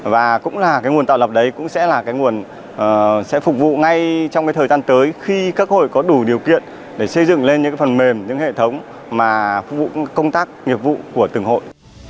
và cũng là cái nguồn tạo lập đấy cũng sẽ là cái nguồn sẽ phục vụ ngay trong cái thời gian tới khi các hội có đủ điều kiện để xây dựng lên những phần mềm những hệ thống mà phục vụ công tác nghiệp vụ của từng hội